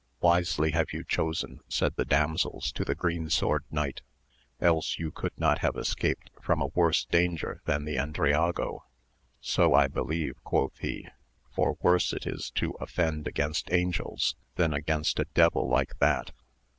Wisely have you chosen, said the damsels to the Green Sword Knight, else you could not have escaped from a worse danger than the Endriago. So I believe, quoth he, for worse is it to offend against angels than against a devil like that.